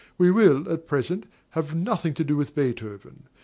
We will, at present, have nothing to do with Beethoven.